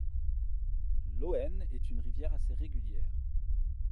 L'Hoëne est une rivière assez régulière.